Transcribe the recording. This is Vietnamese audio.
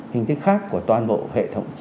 hình thức khác của toàn bộ hệ thống